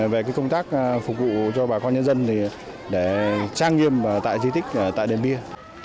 về cái công tác phục vụ cho bà con nhân dân thì để trang nghiêm tại di tích tại đền bia